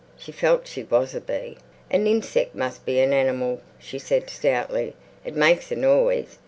She felt she was a bee. "A ninseck must be an animal," she said stoutly. "It makes a noise.